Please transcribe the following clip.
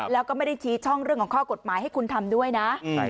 แล้วก็ไม่ได้ชี้ช่องเรื่องของข้อกฎหมายให้คุณทำด้วยนะ